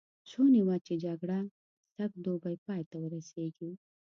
شوني وه چې جګړه سږ دوبی پای ته ورسېږي.